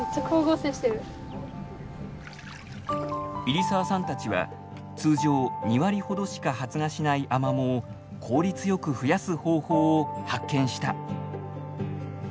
入澤さんたちは通常２割ほどしか発芽しないアマモを効率よく増やす方法を発見した。